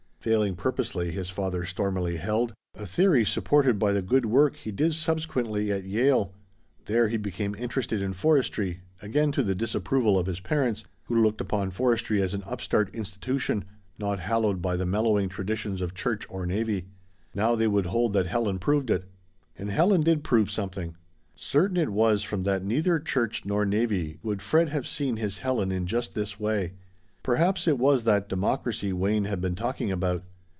Failing purposely, his father stormily held; a theory supported by the good work he did subsequently at Yale. There he became interested in forestry, again to the disapproval of his parents, who looked upon forestry as an upstart institution, not hallowed by the mellowing traditions of church or navy. Now they would hold that Helen proved it. And Helen did prove something. Certain it was that from neither church nor navy would Fred have seen his Helen in just this way. Perhaps it was that democracy Wayne had been talking about.